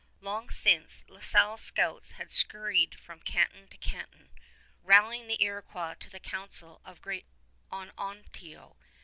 Long since, La Salle's scouts had scurried from canton to canton, rallying the Iroquois to the council of great "Onontio."